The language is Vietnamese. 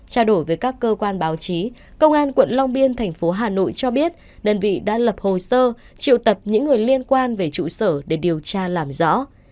trao đổi với các cơ quan báo chí công an quận long biên thành phố hà nội cho biết đơn vị đã lập hồ sơ triệu tập những người liên quan về trụ sở để điều tra làm rõ